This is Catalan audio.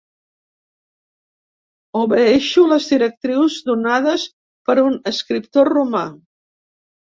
Obeeixo les directrius donades per un escriptor romà.